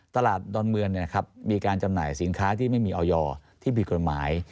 ตลาดดอนเมืองเนี่ยครับมีการจำหน่ายสินค้าที่ไม่มีออยอที่ผิดกฎหมาย